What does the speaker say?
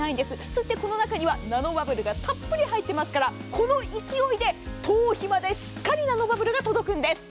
そしてこの中にはナノバブルがたっぷり入っていますからこの勢いで頭皮までしっかり届くんです。